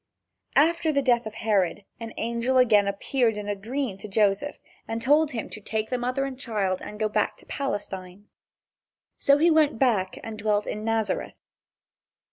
After the death of Herod an angel again appeared in a dream to Joseph and told him to take mother and child and go back to Palestine. So he went back and dwelt in Nazareth.